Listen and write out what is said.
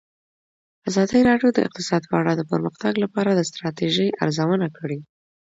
ازادي راډیو د اقتصاد په اړه د پرمختګ لپاره د ستراتیژۍ ارزونه کړې.